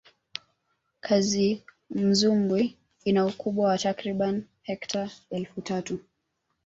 kazimzumbwi ina ukubwa wa takribani hekta elfu tatu